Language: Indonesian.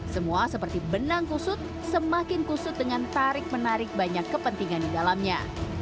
semua seperti benang kusut semakin kusut dengan tarik menarik banyak kepentingan di dalamnya